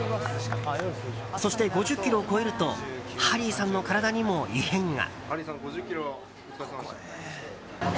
そして、５０ｋｍを超えるとハリーさんの体にも異変が。